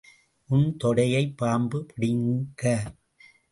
உன் தொடையைப் பாம்பு பிடுங்க.